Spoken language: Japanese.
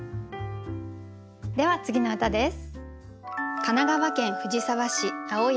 では次の歌です。